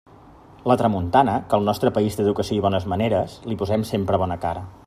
La tramuntana, que al nostre país té educació i bones maneres, li posem sempre bona cara.